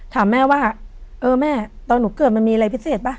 ถามแม่ว่าเออแม่ตอนหนูเกิดมันมีอะไรพิเศษป่ะ